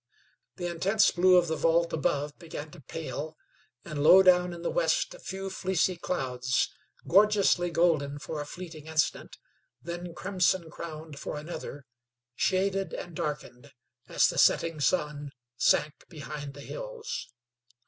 The intense blue of the vault above began to pale, and low down in the west a few fleecy clouds, gorgeously golden for a fleeting instant, then crimson crowned for another, shaded and darkened as the setting sun sank behind the hills.